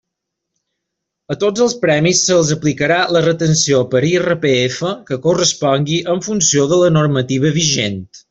A tots els premis se'ls aplicarà la retenció per IRPF que correspongui en funció de la normativa vigent.